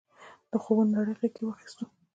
د خوبونو نړۍ غېږ کې واخیستو.